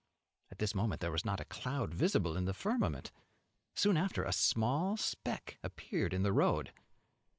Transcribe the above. At this moment there was not a cloud visible in the firmament. Soon after a small speck appeared in the road.